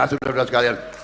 sudah sudah sekali